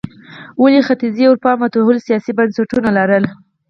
ولې ختیځې اروپا متحول سیاسي بنسټونه لرل.